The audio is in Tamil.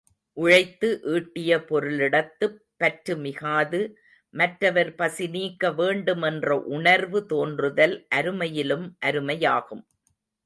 உழைத்து ஈட்டிய பொருளிடத்துப் பற்று மிகாது, மற்றவர் பசி நீக்க வேண்டும் என்ற உணர்வு தோன்றுதல் அருமையிலும் அருமையாகும்.